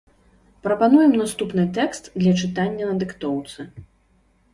Прапануем наступны тэкст для чытання на дыктоўцы.